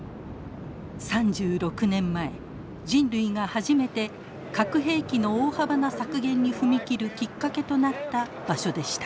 ３６年前人類が初めて核兵器の大幅な削減に踏み切るきっかけとなった場所でした。